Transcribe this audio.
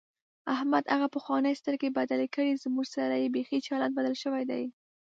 احمد هغه پخوانۍ سترګې بدلې کړې، زموږ سره یې بیخي چلند بدل شوی دی.